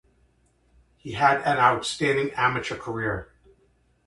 He had an outstanding amateur career.